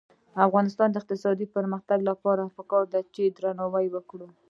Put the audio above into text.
د افغانستان د اقتصادي پرمختګ لپاره پکار ده چې درناوی وکړو.